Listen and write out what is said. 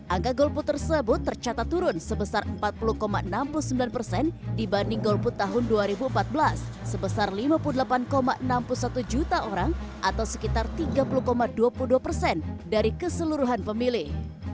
angka golput tersebut tercatat turun sebesar empat puluh enam puluh sembilan persen dibanding golput tahun dua ribu empat belas sebesar lima puluh delapan enam puluh satu juta orang atau sekitar tiga puluh dua puluh dua persen dari keseluruhan pemilih